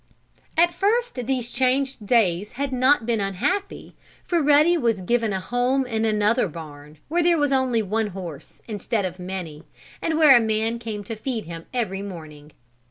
At first these changed days had not been unhappy, for Ruddy was given a home in another barn, where there was only one horse, instead of many, and where a man came to feed him every morning.